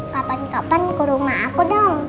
kapan kapan ke rumah aku dong